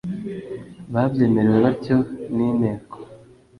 Babyemerewe batyo n inteko